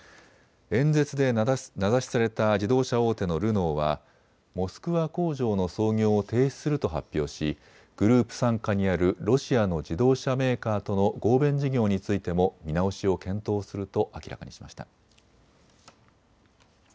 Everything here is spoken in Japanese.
演説で名指しされた自動車大手のルノーはモスクワ工場の操業を停止すると発表しグループ傘下にあるロシアの自動車メーカーとの合弁事業についても見直しを検討すると明らかにしました。